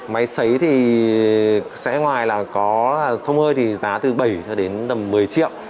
máy xấy thì sẽ ngoài là có tông hơi thì giá từ bảy một mươi triệu